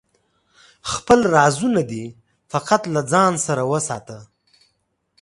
خپل رازونه دی فقط له ځانه سره وساته